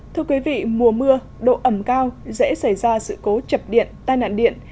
thưa quý vị mùa mưa độ ẩm cao dễ xảy ra sự cố chập điện tai nạn điện